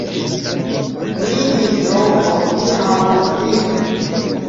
Mi ĝin trovos, mi havos ĝin.